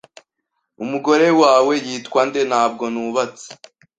"Umugore wawe yitwa nde?" "Ntabwo nubatse."